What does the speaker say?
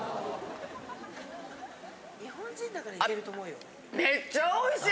日本人だからいけると思うよ。